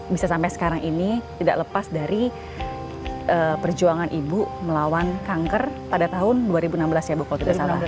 bisa sampai sekarang ini tidak lepas dari perjuangan ibu melawan kanker pada tahun dua ribu enam belas ya bu kalau tidak salah